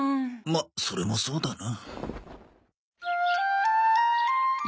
まあそれもそうだな。